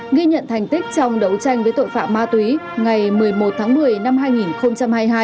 nghi nhận thành tích trong đấu tranh với tội phạm ma túy ngày một mươi một tháng một mươi năm hai nghìn hai mươi hai